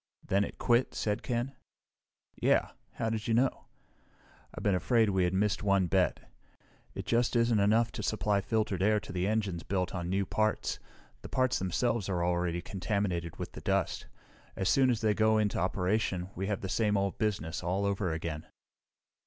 "Then it quit," said Ken. "Yeah how did you know?" "I've been afraid we had missed one bet. It just isn't enough to supply filtered air to the engines built of new parts. The parts themselves are already contaminated with the dust. As soon as they go into operation, we have the same old business, all over again.